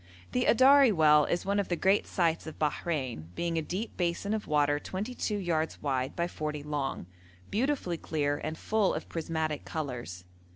The Adari well is one of the great sights of Bahrein, being a deep basin of water 22 yards wide by 40 long, beautifully clear, and full of prismatic colours.